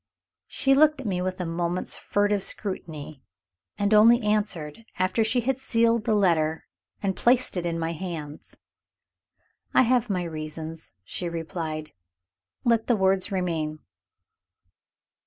She looked at me with a moment's furtive scrutiny, and only answered after she had sealed the letter, and placed it in my hands. "I have my reasons," she replied. "Let the words remain."